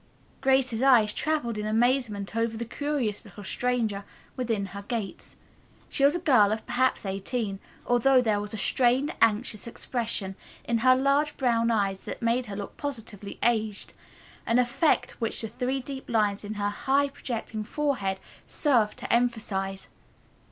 Grace's eyes traveled in amazement over the curious little stranger within her gates. She was a girl of perhaps eighteen, although there was a strained, anxious expression in her large brown eyes that made her look positively aged, an effect which the three deep lines in her high projecting forehead served to emphasize.